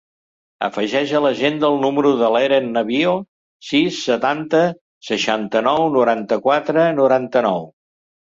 Afegeix a l'agenda el número de l'Eren Navio: sis, setanta, seixanta-nou, noranta-quatre, noranta-nou.